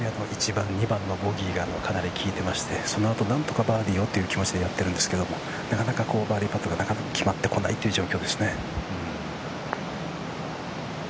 １番、２番のボギーがかなり効いていまして、そのあと何とかバーディーをという気持ちでやっているんですが、なかなかバーディーパットが決まってこないという状況です。